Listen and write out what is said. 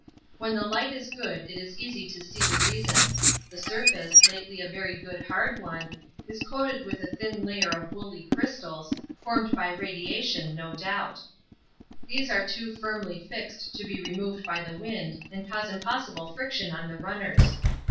When the light is good it is easy to see the reason. The surface, lately a very good hard one, is coated with a thin layer of woolly crystals, formed by radiation no doubt. These are too firmly fixed to be removed by the wind and cause impossible friction on the runners.